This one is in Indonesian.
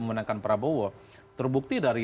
memenangkan prabowo terbukti dari